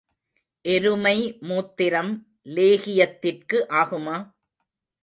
எருமை மூத்திரம் லேகியத்திற்கு ஆகுமா?